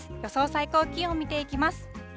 最高気温見ていきます。